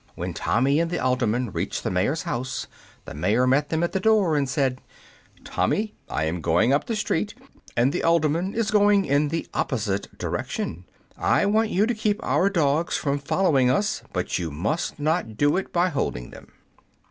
When Tommy and the alderman reached the mayor's house the mayor met them at the door and said: "Tommy, I am going up the street, and the alderman is going in the opposite direction. I want you to keep our dogs from following us; but you must not do it by holding them."